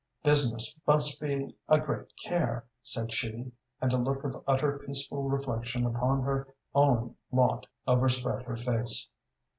"Business must be a great care," said she, and a look of utter peaceful reflection upon her own lot overspread her face.